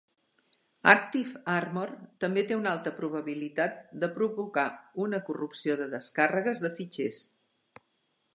ActiveArmor també té una alta probabilitat de provocar una corrupció de descàrregues de fitxers.